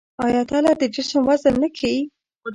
آیا تله د جسم وزن لږ ښيي؟